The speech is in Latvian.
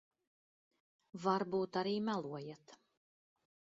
Varbūt arī melojat.